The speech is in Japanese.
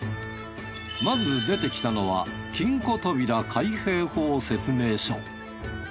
まず出てきたのは金庫扉開閉法説明書。